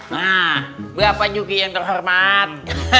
nah berapa yuki yang terhormat